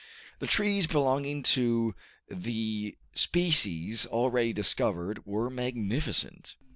The trees, belonging to the species already discovered, were magnificent.